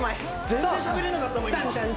全然しゃべれなかったもん